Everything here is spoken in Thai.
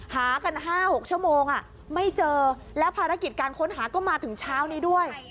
หากัน๕๖ชั่วโมงไม่เจอแล้วภารกิจการค้นหาก็มาถึงเช้านี้ด้วย